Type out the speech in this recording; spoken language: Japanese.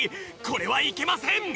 これはいけません！